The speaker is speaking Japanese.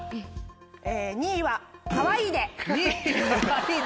え２位は「かわいい」で。